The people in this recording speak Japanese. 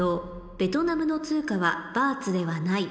「ベトナムの通貨はバーツではない」